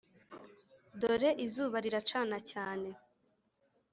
dore izuba riracana cyane